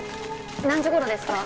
何時頃ですか？